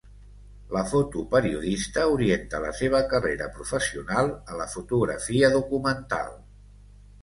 La fotoperiodista orienta la seva carrera professional a la fotografia documental.